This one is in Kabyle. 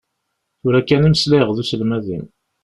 Tura kan i meslayeɣ d uselmad-im.